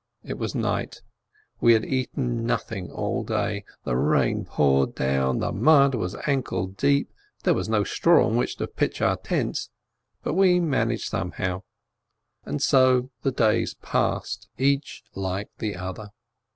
It was night. We had eaten nothing all day. The rain poured down, the mud was ankle deep, there was no straw on which to pitch our tents, but we managed somehow. And so the days passed, each like the other.